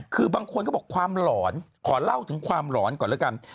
คือบางคนก็บอกความหลอนขอเล่าถึงความหลอนก่อนแล้วกัน